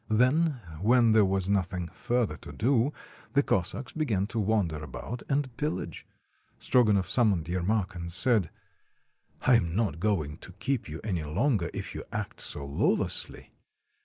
Then, when there was nothing further to do, the Cossacks began to wander about and pillage. Strogonoff summoned Yermak, and said: — "I am not going to keep you any longer, if you act so lawlessly."